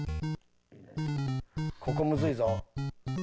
ここむずいぞ。